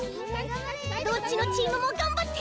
どっちのチームもがんばって！